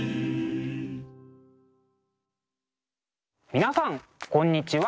皆さんこんにちは。